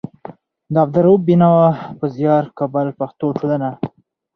د عبدالروف بېنوا په زيار. کابل: پښتو ټولنه